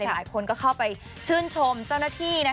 หลายคนก็เข้าไปชื่นชมเจ้าหน้าที่